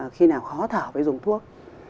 khi nào khó thở với dùng thuốc